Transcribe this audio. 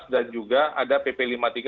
dan juga ada pp lima puluh tiga